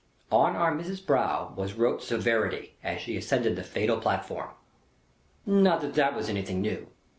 On Our Missis's brow was wrote Severity, as she ascended the fatal platform. (Not that that was anythink new.)